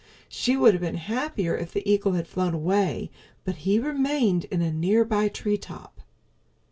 She would have been happier if the eagle had flown away, but he remained in a nearby tree top.